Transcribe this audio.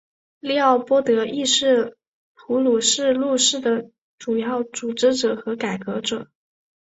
利奥波德亦是普鲁士陆军的主要组织者和改革者。